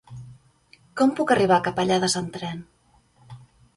Com puc arribar a Capellades amb tren?